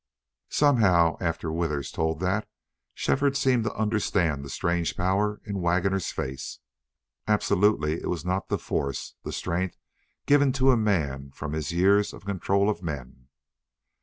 Somehow, after Withers told that, Shefford seemed to understand the strange power in Waggoner's face. Absolutely it was not the force, the strength given to a man from his years of control of men.